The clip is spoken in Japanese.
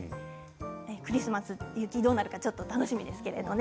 クリスマス、雪どうなるかちょっと楽しみですけれどね。